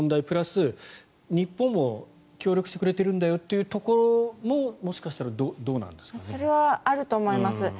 プラス日本も協力してくれているんだよというところもそれはあると思います。